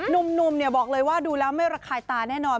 หนุ่มบอกเลยว่าดูแล้วไม่ระคายตาแน่นอน